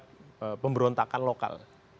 dukungan terhadap pemberontakan lokal